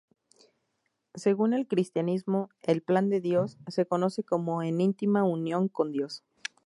Según el cristianismo el "Plan de Dios" se conoce en íntima unión con Dios.